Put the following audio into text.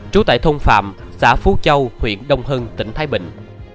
trú tại thôn phạm xã phú châu huyện đông hưng tỉnh thái bình